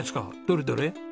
どれどれ？